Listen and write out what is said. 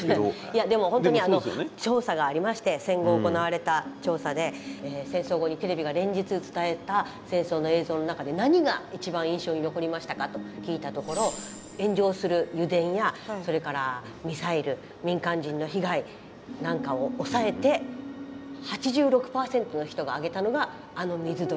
いやでも本当にあの調査がありまして戦後行われた調査で戦争後にテレビが連日伝えた戦争の映像の中で何が一番印象に残りましたか？と聞いたところ炎上する油田やそれからミサイル民間人の被害なんかを抑えて８６％の人が挙げたのがあの水鳥の映像だったんです。